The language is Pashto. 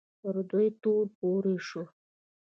پر دوی تور پورې شو